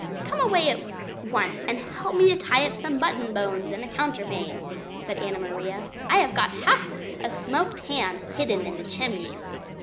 "Come away at once and help me to tie up some mutton bones in a counterpane," said Anna Maria. "I have got half a smoked ham hidden in the chimney."